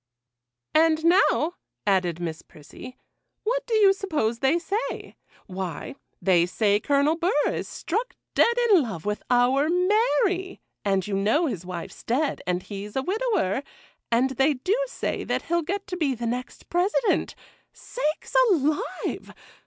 'And now,' added Miss Prissy, 'what do you suppose they say? Why, they say Colonel Burr is struck dead in love with our Mary; and you know his wife's dead, and he's a widower; and they do say that he'll get to be the next President. Sakes alive!